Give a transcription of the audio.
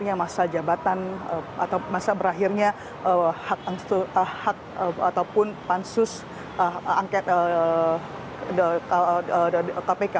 hanya masa jabatan atau masa berakhirnya hak ataupun pansus angket kpk